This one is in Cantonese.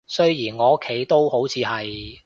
雖然我屋企都好似係